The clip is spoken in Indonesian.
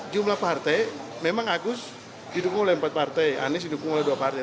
jumlah partai memang agus didukung oleh empat partai anies didukung oleh dua partai